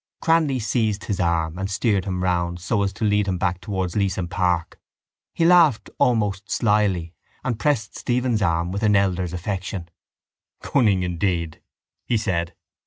Cranly seized his arm and steered him round so as to lead him back towards Leeson Park. He laughed almost slily and pressed Stephen's arm with an elder's affection. —Cunning indeed! he said.